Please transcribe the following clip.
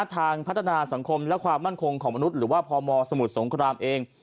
ทางพัฒนาสังคมและความมั่นคงของมนุษย์หรือว่าพมสมุทรสงครามเอง